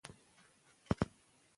څنګه اخلاص فساد کموي؟